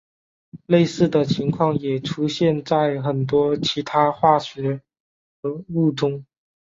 类似的情况也出现在很多其他化合物中。